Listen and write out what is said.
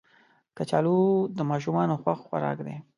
کچالو د ماشومانو خوښ خوراک دی